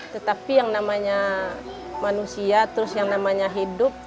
tetapi yang namanya manusia terus yang namanya hidup